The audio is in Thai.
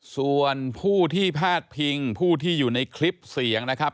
ส่วนผู้ที่พาดพิงผู้ที่อยู่ในคลิปเสียงนะครับ